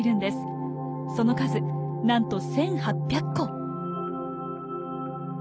その数なんと１，８００個。